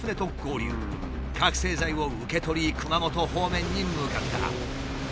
覚醒剤を受け取り熊本方面に向かった。